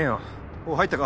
おう入ったか？